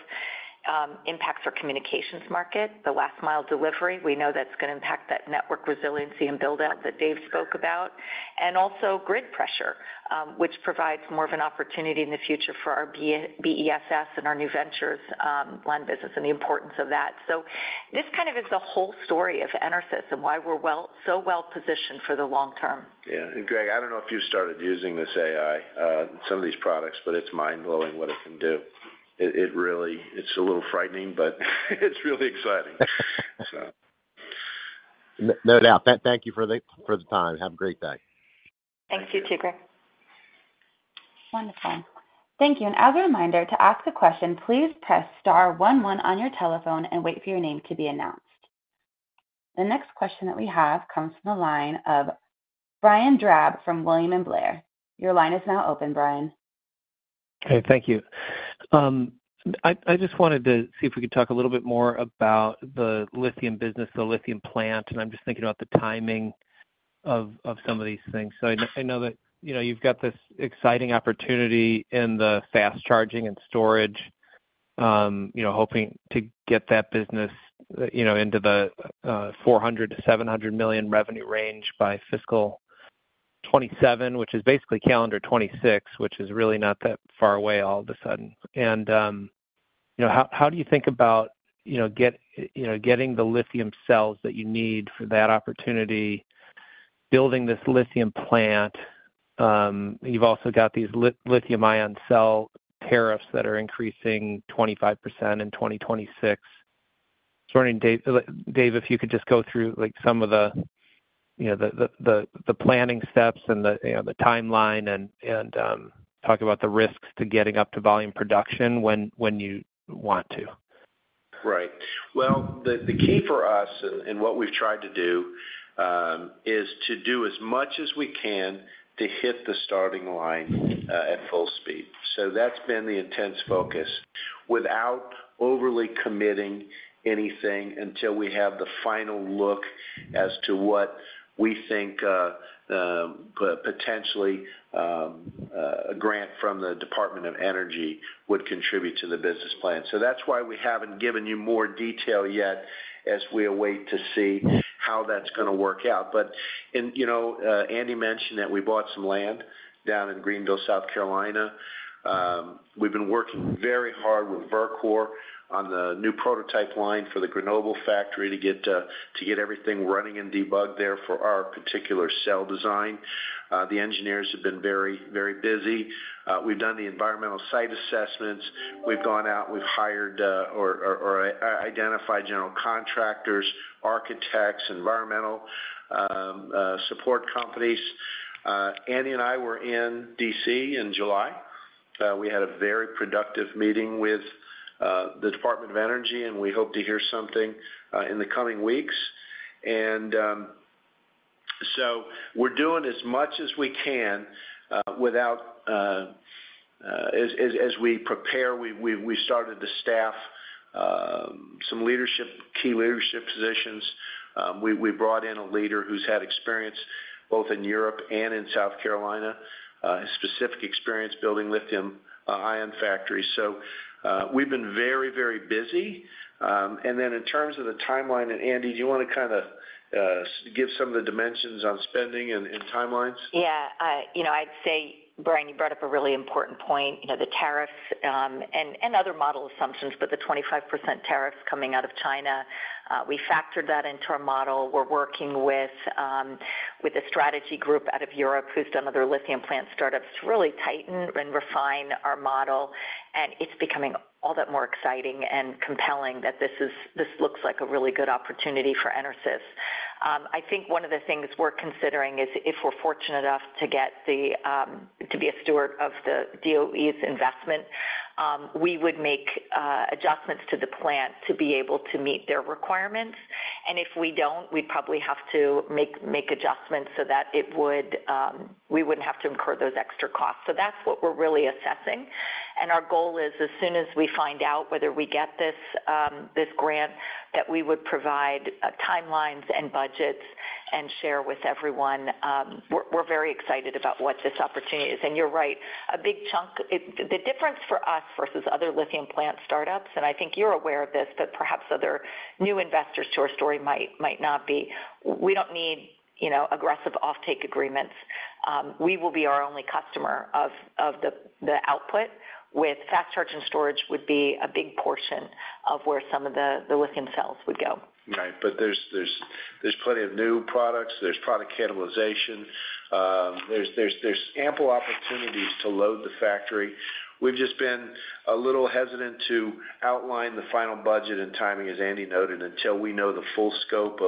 [SPEAKER 4] impacts our communications market, the last mile delivery. We know that's going to impact that network resiliency and build out that Dave spoke about, and also grid pressure, which provides more of an opportunity in the future for our BESS and our New Ventures, line business and the importance of that. So this kind of is the whole story of EnerSys and why we're so well positioned for the long term.
[SPEAKER 3] Yeah. And Greg, I don't know if you've started using this AI, some of these products, but it's mind-blowing what it can do. It really, it's a little frightening, but it's really exciting, so.
[SPEAKER 6] No doubt. Thank you for the, for the time. Have a great day.
[SPEAKER 4] Thanks. You too, Greg.
[SPEAKER 1] Wonderful. Thank you. As a reminder, to ask a question, please press star one one on your telephone and wait for your name to be announced.... The next question that we have comes from the line of Brian Drab from William Blair. Your line is now open, Brian.
[SPEAKER 7] Okay, thank you. I just wanted to see if we could talk a little bit more about the lithium business, the lithium plant, and I'm just thinking about the timing of some of these things. So I know that, you know, you've got this exciting opportunity in the fast charging and storage, you know, hoping to get that business, you know, into the $400 million-$700 million revenue range by fiscal 2027, which is basically calendar 2026, which is really not that far away all of a sudden. And, you know, how do you think about, you know, getting the lithium cells that you need for that opportunity, building this lithium plant? You've also got these lithium-ion cell tariffs that are increasing 25% in 2026. So I'm wondering, Dave, if you could just go through, like, some of the, you know, the planning steps and the, you know, the timeline and talk about the risks to getting up to volume production when you want to.
[SPEAKER 3] Right. Well, the key for us and what we've tried to do is to do as much as we can to hit the starting line at full speed. So that's been the intense focus, without overly committing anything until we have the final look as to what we think potentially a grant from the Department of Energy would contribute to the business plan. So that's why we haven't given you more detail yet as we await to see how that's gonna work out. But, you know, Andi mentioned that we bought some land down in Greenville, South Carolina. We've been working very hard with Verkor on the new prototype line for the Grenoble factory to get everything running and debugged there for our particular cell design. The engineers have been very, very busy. We've done the environmental site assessments. We've gone out, we've hired or identified general contractors, architects, environmental support companies. Andi and I were in DC in July. We had a very productive meeting with the Department of Energy, and we hope to hear something in the coming weeks. We're doing as much as we can without... As we prepare, we started to staff some key leadership positions. We brought in a leader who's had experience both in Europe and in South Carolina, specific experience building lithium-ion factories. We've been very, very busy. In terms of the timeline, and Andi, do you wanna kinda give some of the dimensions on spending and timelines?
[SPEAKER 4] Yeah, you know, I'd say, Brian, you brought up a really important point. You know, the tariffs, and other model assumptions, but the 25% tariffs coming out of China, we factored that into our model. We're working with a strategy group out of Europe who's done other lithium plant startups to really tighten and refine our model, and it's becoming all that more exciting and compelling that this is, this looks like a really good opportunity for EnerSys. I think one of the things we're considering is if we're fortunate enough to get the, to be a steward of the DOE's investment, we would make adjustments to the plant to be able to meet their requirements. And if we don't, we'd probably have to make adjustments so that it would, we wouldn't have to incur those extra costs. So that's what we're really assessing. And our goal is, as soon as we find out whether we get this, this grant, that we would provide, timelines and budgets and share with everyone. We're very excited about what this opportunity is. And you're right, a big chunk. The difference for us versus other lithium plant startups, and I think you're aware of this, but perhaps other new investors to our story might not be, we don't need, you know, aggressive offtake agreements. We will be our only customer of the output, with fast charge and storage would be a big portion of where some of the lithium cells would go.
[SPEAKER 3] Right. But there's plenty of new products, there's product cannibalization, there's ample opportunities to load the factory. We've just been a little hesitant to outline the final budget and timing, as Andi noted, until we know the full scope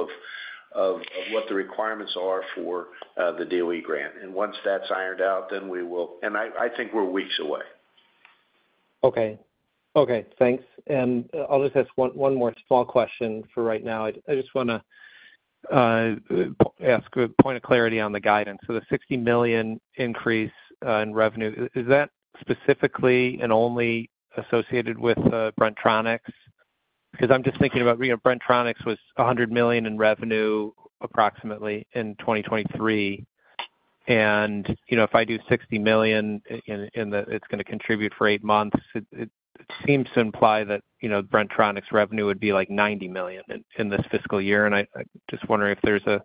[SPEAKER 3] of what the requirements are for the DOE grant. And once that's ironed out, then we will. And I think we're weeks away.
[SPEAKER 7] Okay. Okay, thanks. And I'll just ask one, one more small question for right now. I just wanna ask a point of clarity on the guidance. So the $60 million increase in revenue, is that specifically and only associated with Bren-Tronics? Because I'm just thinking about, you know, Bren-Tronics was $100 million in revenue approximately in 2023. And, you know, if I do $60 million in, and it's gonna contribute for 8 months, it seems to imply that, you know, Bren-Tronics revenue would be like $90 million in this fiscal year. And I'm just wondering if there's an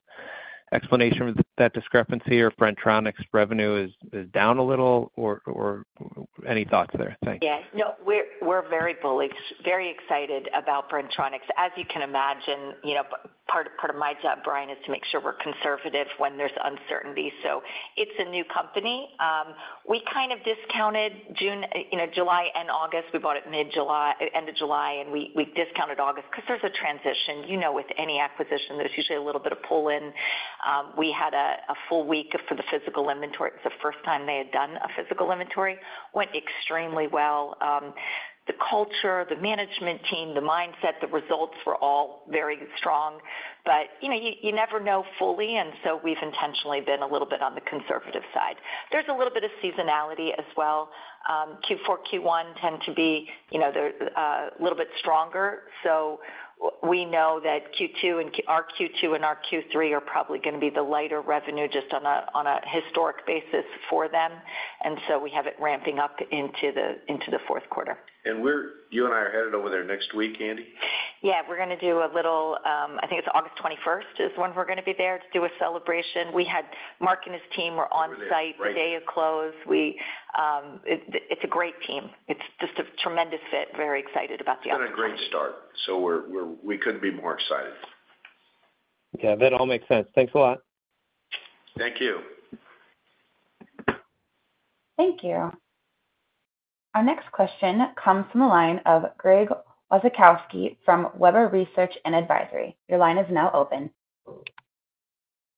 [SPEAKER 7] explanation for that discrepancy or Bren-Tronics revenue is down a little, or any thoughts there? Thanks.
[SPEAKER 4] Yeah. No, we're very bullish, very excited about Bren-Tronics. As you can imagine, you know, part of my job, Brian, is to make sure we're conservative when there's uncertainty. So it's a new company. We kind of discounted June, you know, July and August. We bought it mid-July, end of July, and we discounted August 'cause there's a transition. You know, with any acquisition, there's usually a little bit of pull-in. We had a full week for the physical inventory. It's the first time they had done a physical inventory. Went extremely well. The culture, the management team, the mindset, the results were all very strong. But, you know, you never know fully, and so we've intentionally been a little bit on the conservative side. There's a little bit of seasonality as well. Q4, Q1 tend to be, you know, they're little bit stronger. So we know that Q2 and our Q2 and our Q3 are probably gonna be the lighter revenue, just on a, on a historic basis for them, and so we have it ramping up into the, into the fourth quarter.
[SPEAKER 3] You and I are headed over there next week, Andi?
[SPEAKER 4] Yeah, we're gonna do a little, I think it's August 21st, is when we're gonna be there to do a celebration. We had Mark and his team were on site-
[SPEAKER 3] Right
[SPEAKER 4] ...the day of close. We, it's a great team. It's just a tremendous fit, very excited about the opportunity.
[SPEAKER 3] It's been a great start, so we couldn't be more excited.
[SPEAKER 7] Yeah, that all makes sense. Thanks a lot.
[SPEAKER 3] Thank you.
[SPEAKER 1] Thank you. Our next question comes from the line of Greg Wasikowski from Webber Research & Advisory. Your line is now open.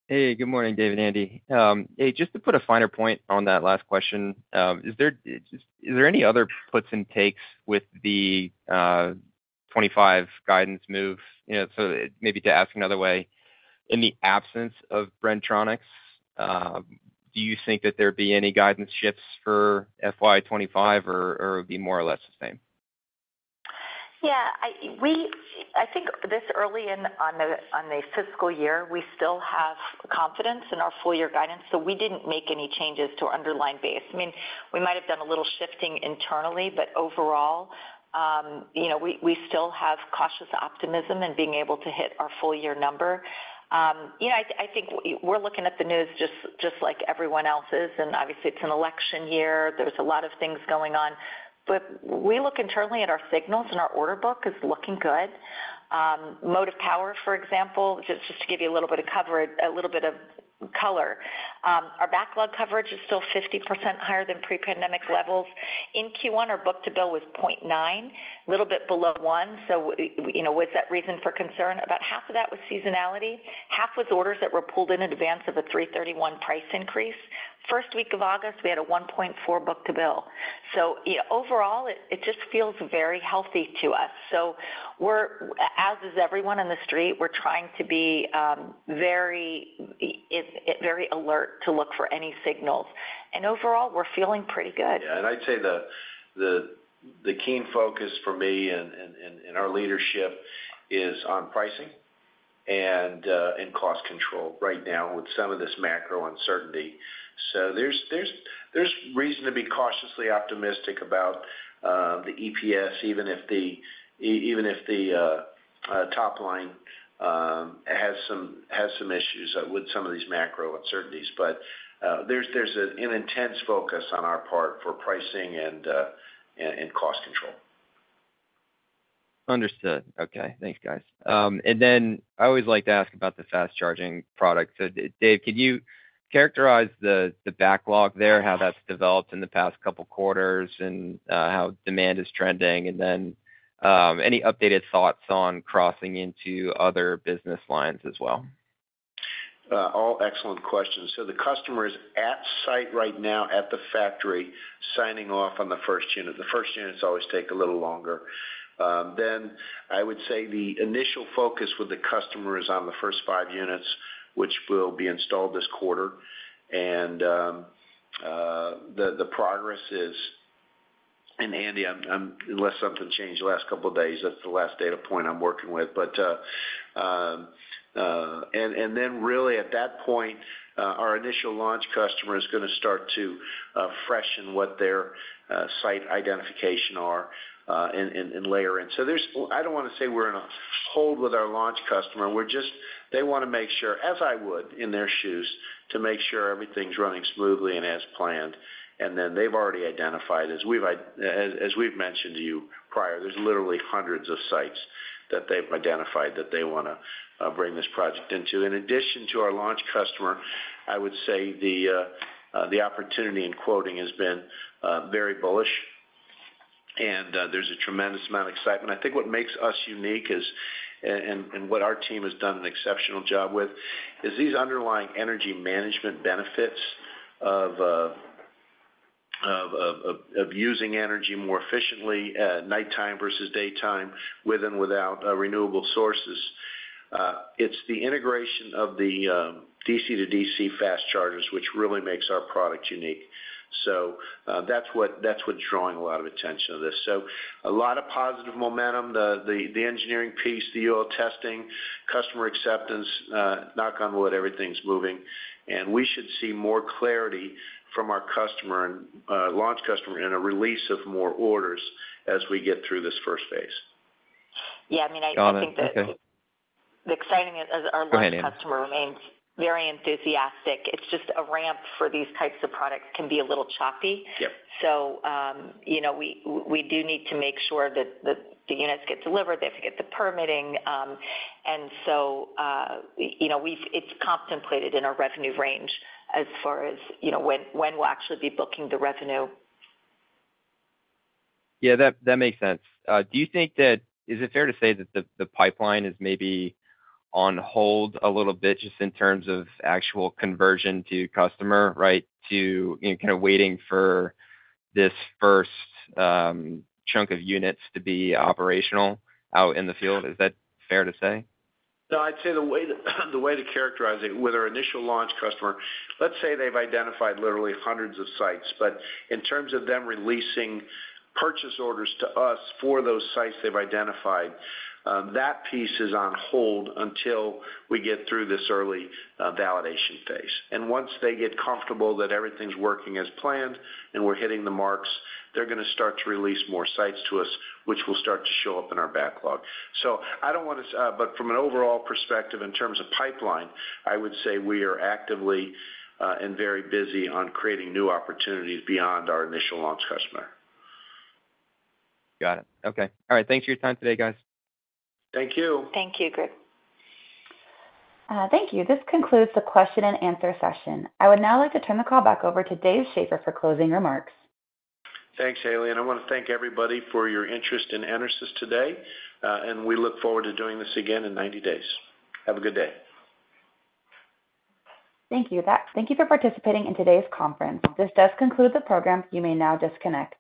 [SPEAKER 8] Hey, good morning, Dave and Andi. Hey, just to put a finer point on that last question, is there, is there any other puts and takes with the 2025 guidance move? You know, so maybe to ask another way, in the absence of Bren-Tronics, do you think that there'd be any guidance shifts for FY 2025 or, or it would be more or less the same?
[SPEAKER 4] Yeah, I think this early in the fiscal year, we still have confidence in our full year guidance, so we didn't make any changes to our underlying base. I mean, we might have done a little shifting internally, but overall, you know, we still have cautious optimism in being able to hit our full year number. You know, I think we're looking at the news just like everyone else is, and obviously it's an election year. There's a lot of things going on. But we look internally at our signals, and our order book is looking good. Motive Power, for example, just to give you a little bit of coverage, a little bit of color. Our backlog coverage is still 50% higher than pre-pandemic levels. In Q1, our book-to-bill was 0.9, a little bit below 1, so, you know, was that reason for concern? About half of that was seasonality, half was orders that were pulled in advance of a 3/31 price increase. First week of August, we had a 1.4 book-to-bill. So overall, it, it just feels very healthy to us. So we're, as is everyone in the street, we're trying to be very alert to look for any signals. And overall, we're feeling pretty good.
[SPEAKER 3] Yeah, I'd say the keen focus for me and our leadership is on pricing and cost control right now with some of this macro uncertainty. So there's reason to be cautiously optimistic about the EPS, even if the top line has some issues with some of these macro uncertainties. But there's an intense focus on our part for pricing and cost control.
[SPEAKER 8] Understood. Okay. Thanks, guys. And then I always like to ask about the fast charging product. So, Dave, could you characterize the backlog there, how that's developed in the past couple quarters, and how demand is trending? And then any updated thoughts on crossing into other business lines as well?
[SPEAKER 3] All excellent questions. So the customer is on site right now at the factory, signing off on the first unit. The first units always take a little longer. Then I would say the initial focus with the customer is on the first 5 units, which will be installed this quarter. And the progress is. And Andi, unless something changed the last couple of days, that's the last data point I'm working with. But then really, at that point, our initial launch customer is gonna start to freshen what their site identification are and layer in. So there's. I don't wanna say we're in a hold with our launch customer. We're just. They wanna make sure, as I would in their shoes, to make sure everything's running smoothly and as planned. They've already identified, as we've mentioned to you prior, there's literally hundreds of sites that they've identified that they wanna bring this project into. In addition to our launch customer, I would say the opportunity in quoting has been very bullish, and there's a tremendous amount of excitement. I think what makes us unique is, and what our team has done an exceptional job with, is these underlying energy management benefits of using energy more efficiently at nighttime versus daytime, with and without renewable sources. It's the integration of the DC to DC fast chargers, which really makes our product unique. So, that's what's drawing a lot of attention to this. So a lot of positive momentum, the engineering piece, the UL testing, customer acceptance, knock on wood, everything's moving. And we should see more clarity from our customer and launch customer and a release of more orders as we get through this first phase....
[SPEAKER 4] Yeah, I mean, I think that the exciting is our launch customer remains very enthusiastic. It's just a ramp for these types of products can be a little choppy.
[SPEAKER 8] Yep.
[SPEAKER 4] So, you know, we do need to make sure that the units get delivered, they have to get the permitting. And so, you know, it's contemplated in our revenue range as far as, you know, when we'll actually be booking the revenue.
[SPEAKER 8] Yeah, that, that makes sense. Do you think that—is it fair to say that the, the pipeline is maybe on hold a little bit just in terms of actual conversion to customer, right? To, you know, kind of waiting for this first chunk of units to be operational out in the field. Is that fair to say?
[SPEAKER 3] No, I'd say the way to, the way to characterize it, with our initial launch customer, let's say they've identified literally hundreds of sites, but in terms of them releasing purchase orders to us for those sites they've identified, that piece is on hold until we get through this early validation phase. And once they get comfortable that everything's working as planned and we're hitting the marks, they're gonna start to release more sites to us, which will start to show up in our backlog. So I don't want to... but from an overall perspective, in terms of pipeline, I would say we are actively and very busy on creating new opportunities beyond our initial launch customer.
[SPEAKER 8] Got it. Okay. All right. Thanks for your time today, guys.
[SPEAKER 3] Thank you.
[SPEAKER 4] Thank you, Greg.
[SPEAKER 1] Thank you. This concludes the question-and-answer session. I would now like to turn the call back over to David Shaffer for closing remarks.
[SPEAKER 3] Thanks, Haley, and I want to thank everybody for your interest in EnerSys today, and we look forward to doing this again in 90 days. Have a good day.
[SPEAKER 1] Thank you. Thank you for participating in today's conference. This does conclude the program. You may now disconnect.